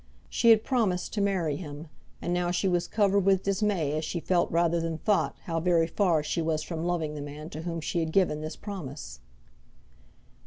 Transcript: She had promised to marry him, and now she was covered with dismay as she felt rather than thought how very far she was from loving the man to whom she had given this promise.